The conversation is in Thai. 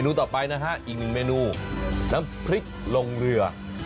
ต่อไปนะฮะอีกหนึ่งเมนูน้ำพริกลงเรือ